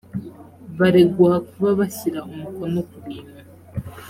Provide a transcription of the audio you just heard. baregwa kuba bashyira umukono ku bintu